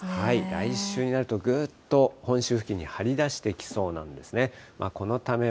来週になると、ぐっと本州付近に張り出してきそうなんですね。